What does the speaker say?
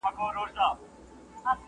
ته د انصاف تمه لا څنګه لرې؟!